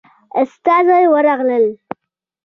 استازي ورغلل.